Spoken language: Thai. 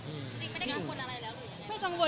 จริงไม่ได้กังวลอะไรแล้วหรือยังไง